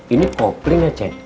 ini kopling ya ced